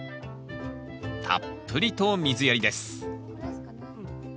たっぷりと水やりです